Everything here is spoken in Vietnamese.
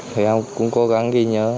thì em cũng cố gắng ghi nhớ